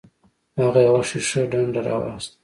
هغه یوه شیشه یي ډنډه راواخیسته.